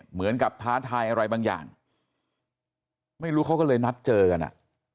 ท้าทายอะไรบางอย่างไม่รู้เขาก็เลยนัดเจอกันอ่ะ